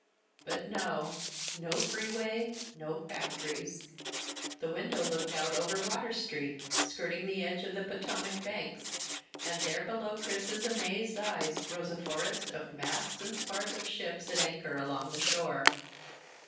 But no. No freeway, no factories. The window looked out over Water Street, skirting the edge of the Potomac banks, and there below Chris's amazed eyes rose a forest of masts and spars of ships at anchor along the shore.